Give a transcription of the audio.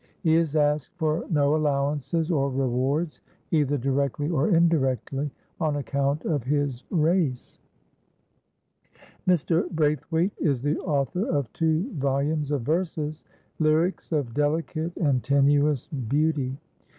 He has asked for no allowances or rewards, either directly or indirectly, on account of his race. Mr. Braithwaite is the author of two volumes of verses, lyrics of delicate and tenuous beauty.